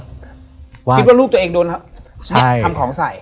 คิดว่าลูกตัวเองโดนทำของใส่